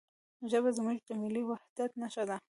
ژبه زموږ د ملي وحدت نښه ده.